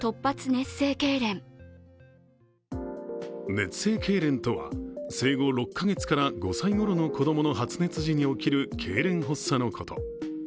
熱性けいれんとは、生後６か月から５歳ごろの子供の発熱時に起こるけいれん発作のこと。